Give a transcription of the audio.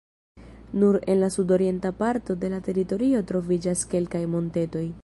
Nur en la sudorienta parto de la teritorio troviĝas kelkaj montetoj.